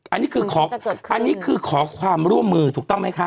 อันนี้คือขออันนี้คือขอความร่วมมือถูกต้องไหมคะ